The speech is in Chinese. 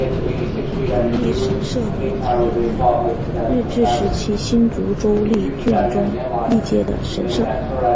中坜神社为台湾日治时期新竹州中坜郡中坜街的神社。